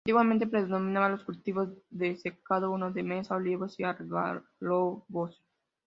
Antiguamente predominaban los cultivos de secano: uva de mesa, olivos y algarrobos.